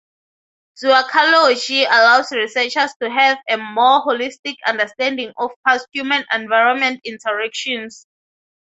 Zooarchaeology allows researchers to have a more holistic understanding of past human-environment interactions.